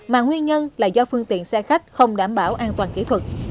mà nguyên nhân là do phương tiện xe khách không đảm bảo an toàn kỹ thuật